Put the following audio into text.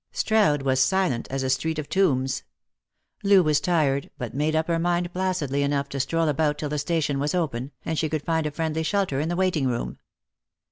Strood was silent as a street of tombs. Loo was tired, but made up her mind placidly enough to stroll about till the station was open, and she could find a friendly shelter in the waiting room.